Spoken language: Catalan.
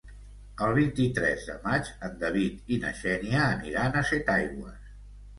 El vint-i-tres de maig en David i na Xènia aniran a Setaigües.